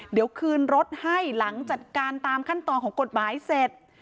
เดี๋ยวคืนรถให้หลังจัดการตามขั้นตอนของกฎหมายเสร็จ